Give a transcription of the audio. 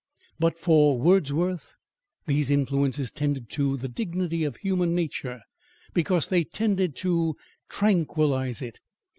But for Wordsworth, these influences tended to the dignity of human nature, because they tended to tranquillise it.